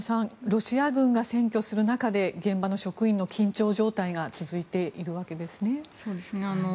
ロシア軍が占拠する中で現場の職員の緊張状態が続いているわけですね。